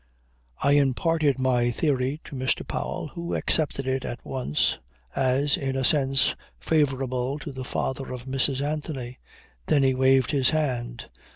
I imparted my theory to Mr. Powell who accepted it at once as, in a sense, favourable to the father of Mrs. Anthony. Then he waved his hand.